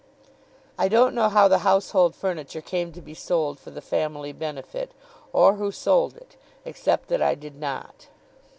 I don't know how the household furniture came to be sold for the family benefit, or who sold it, except that I did not.